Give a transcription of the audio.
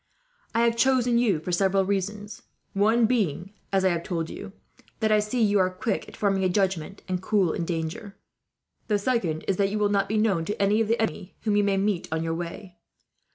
"I have chosen you for several reasons, one being, as I have told you, that I see you are quick at forming a judgment, and cool in danger. The second is that you will not be known to any of the enemy whom you may meet on your way.